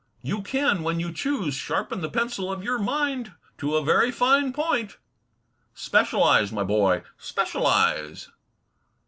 You can, when you choose, sharpen the pencil of your mind to a very fine point. Specialize, my boy, specialize."